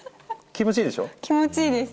気持ちいいです。